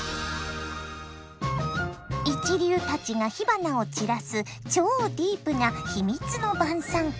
一流たちが火花を散らす超ディープな秘密の晩餐会。